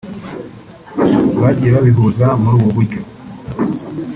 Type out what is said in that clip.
bagiye babihuza muri ubu buryo